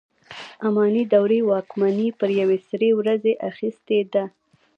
اماني دورې واکمني پر یوې سرې ورځې اخیستې ده.